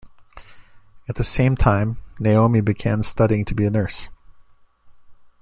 At the same time, Naomi began studying to be a nurse.